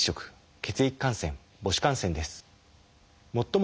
血液感染母子感染です。